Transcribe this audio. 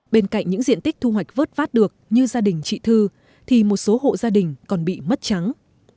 bên cạnh những diện tích thu hoạch vớt vát được như gia đình chị thư thì một số hộ gia đình còn bị mất trắng